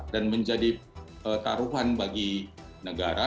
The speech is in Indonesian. dan menjadi taruhan bagi negara